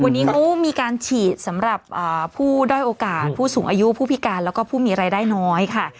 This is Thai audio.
วันนี้เขามีการฉีดสำหรับผู้ด้อยโอกาสผู้สูงอายุผู้พิการแล้วก็ผู้มีรายได้น้อยค่ะ